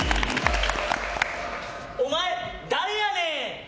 お前、誰やねん！